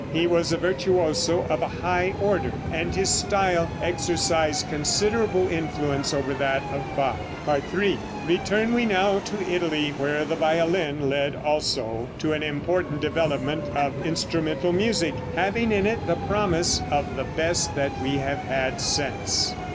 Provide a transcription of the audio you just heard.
He was a virtuoso of a high order, and his style exercised considerable influence over that of Bach. [Illustration: Fig. 50. JOHANN ADAM REINKEN.] III. Return we now to Italy, where the violin led also to an important development of instrumental music, having in it the promise of the best that we have had since.